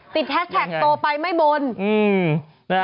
แฮชแท็กโตไปไม่บน